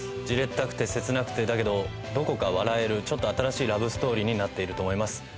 じれったくて切なくてだけどどこか笑えるちょっと新しいラブストーリーになっていると思います